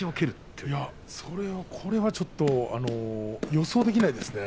これはちょっと予想できないですね。